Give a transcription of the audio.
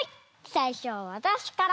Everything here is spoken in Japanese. さいしょはわたしから。